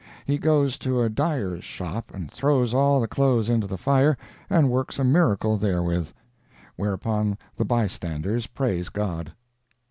He goes to a dyer's shop and throws all the clothes into the fire and works a miracle there with. Whereupon the bystanders praise God."